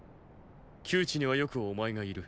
窮地にはよくお前がいる。